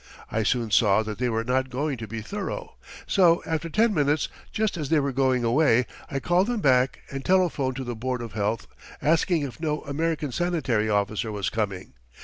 I soon saw that they were not going to be thorough, so after ten minutes, just as they were going away, I called them back and telephoned to the board of health, asking if no American sanitary officer was coming.